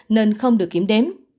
nên không được kiểm đếm